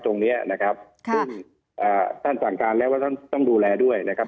ตรงเนี้ยนะครับซึ่งท่านสั่งการแล้วว่าท่านต้องดูแลด้วยนะครับ